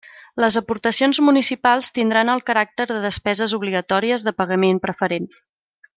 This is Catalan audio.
Les aportacions municipals tindran el caràcter de despeses obligatòries de pagament preferent.